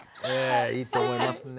いいと思いますね。